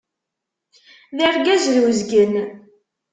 D argaz d uzgen!